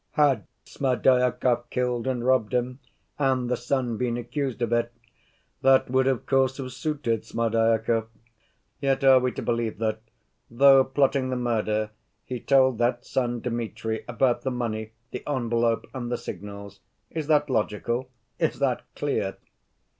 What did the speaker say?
Had Smerdyakov killed and robbed him, and the son been accused of it, that would, of course, have suited Smerdyakov. Yet are we to believe that, though plotting the murder, he told that son, Dmitri, about the money, the envelope, and the signals? Is that logical? Is that clear?